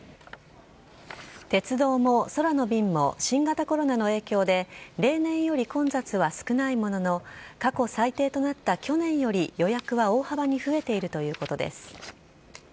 鉄道も空の便も新型コロナの影響で例年より混雑は少ないものの、過去最低となった去年より予約は大幅に増えているということです。